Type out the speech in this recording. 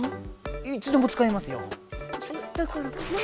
いつでもつかえますよ。